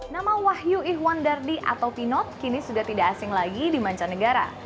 nama wahyu ihwandardi atau pinot kini sudah tidak asing lagi di mancanegara